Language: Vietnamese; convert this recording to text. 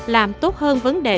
làm tốt hơn vấn đề